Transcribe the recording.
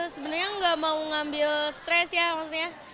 sebenarnya nggak mau ngambil stres ya maksudnya